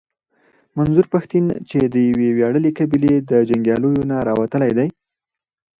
منظور پښتين چې د يوې وياړلې قبيلې د جنګياليانو نه راوتلی دی.